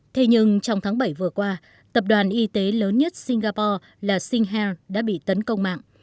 thế nhưng trong tháng bảy vừa qua tập đoàn y tế lớn nhất singapore là sinh hang đã bị tấn công mạng